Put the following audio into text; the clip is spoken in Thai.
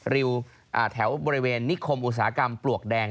แถวบริเวณนิคมอุตสาหกรรมปลวกแดง